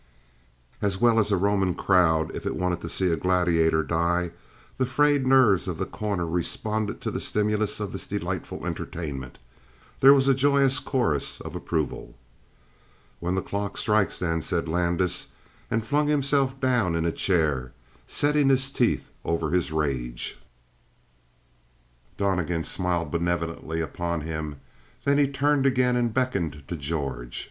As well as a Roman crowd if it wanted to see a gladiator die, the frayed nerves of The Corner responded to the stimulus of this delightful entertainment. There was a joyous chorus of approval. "When the clock strikes, then," said Landis, and flung himself down in a chair, setting his teeth over his rage. Donnegan smiled benevolently upon him; then he turned again and beckoned to George.